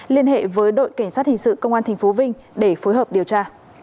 liên hệ với đội cảnh sát hình sự công an tp vinh để phối hợp điều tra